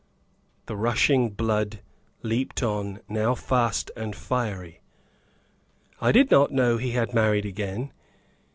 The rushing blood leaped on now fast and fiery. "I did not know he had married again."